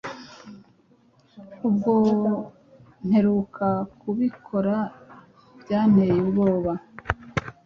ubwo mperuka kubikora byanteye ubwoba